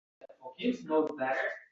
qizaloq veligin uchishi uchun